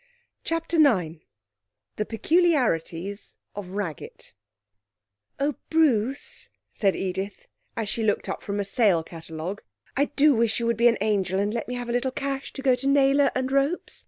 CHAPTER IX The Peculiarities of Raggett 'Oh, Bruce,' said Edith, as she looked up from a Sale Catalogue, 'I do wish you would be an angel and let me have a little cash to go to Naylor and Rope's.